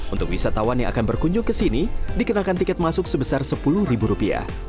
untuk wisatawan yang akan berkunjung ke sini dikenalkan tiket masuk sebesar sepuluh rupiah